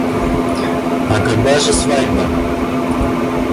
А когда же свадьба?